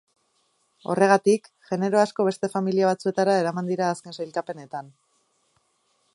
Horregatik, genero asko beste familia batzuetara eraman dira azken sailkapenetan.